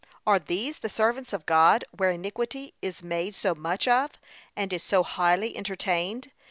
Are these the servants of God, where iniquity is made so much of, and is so highly entertained!